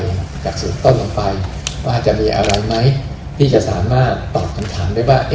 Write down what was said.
หลังจากสืบต้นลงไปว่าจะมีอะไรไหมที่จะสามารถตอบคำถามได้ว่า